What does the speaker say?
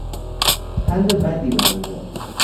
پند بدی به من داد.